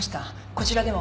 こちらでも。